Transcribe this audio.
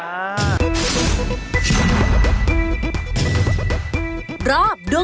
ถามพี่ปีเตอร์